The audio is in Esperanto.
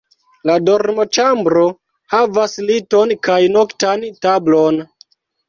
La dormoĉambro havas liton kaj noktan tablon.